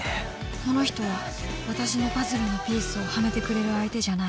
この人は私のパズルのピースをはめてくれる相手じゃない。